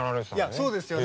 いやそうですよね。